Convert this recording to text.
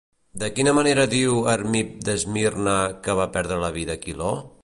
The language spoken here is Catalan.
De quina manera diu Hermip d'Esmirna que va perdre la vida Quiló?